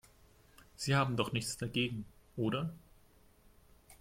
Sie haben doch nichts dagegen, oder?